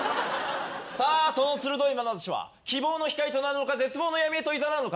さあその鋭いまなざしは希望の光となるのか絶望の闇へといざなうのか。